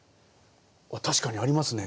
確かにありますね。